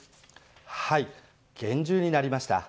厳重になりました。